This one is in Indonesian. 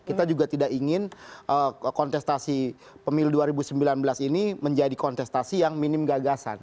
kita juga tidak ingin kontestasi pemilu dua ribu sembilan belas ini menjadi kontestasi yang minim gagasan